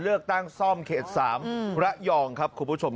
เลือกตั้งซ่อมเขต๓ระยองครับคุณผู้ชม